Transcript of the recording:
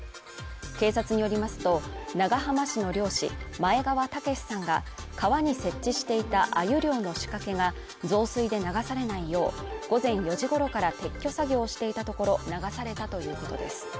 警察によりますと、長浜市の漁師前川健さんが川に設置していたアユ漁の仕掛けが増水で流されないよう午前４時ごろから撤去作業をしていたところ流されたということです。